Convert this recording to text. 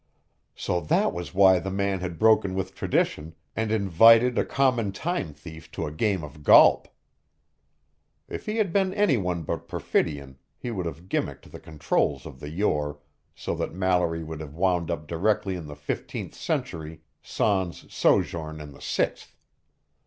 So that was why the man had broken with tradition and invited a common time thief to a game of golp! If he had been anyone but Perfidion he would have gimmicked the controls of the Yore so that Mallory would have wound up directly in the fifteenth century sans sojourn in the sixth.